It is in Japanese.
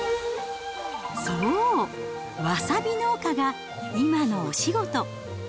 そう、わさび農家が今のお仕事。